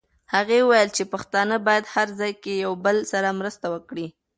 هغې وویل چې پښتانه باید هر ځای کې یو بل سره مرسته وکړي.